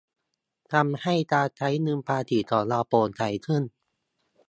ทำให้การใช้เงินภาษีของเราโปร่งใสขึ้น